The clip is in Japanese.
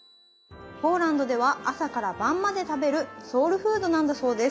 ポーランドでは朝から晩まで食べるソウルフードなんだそうです。